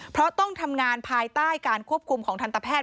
เพราะต้องทำงานภายใต้การควบคุมของทันตแพทย